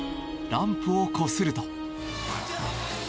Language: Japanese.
ランプをこすると。